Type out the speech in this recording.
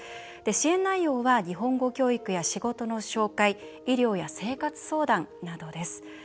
支援内容は日本語教育や仕事の紹介医療や生活相談などです。